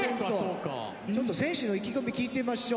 ちょっと選手の意気込み聞いてみましょう。